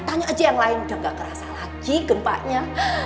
tanya aja yang lain udah gak kerasa lagi gempanya